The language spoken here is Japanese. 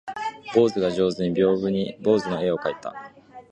坊主が上手に屏風に坊主の絵を描いた